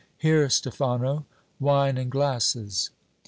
Here, Stephano, wine and glasses."